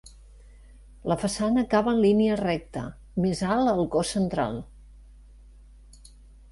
La façana acaba en línia recta, més alt el cos central.